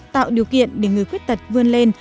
tạo điều kiện để người khuyết tật vươn lên